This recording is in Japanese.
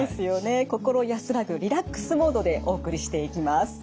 心安らぐリラックスモードでお送りしていきます。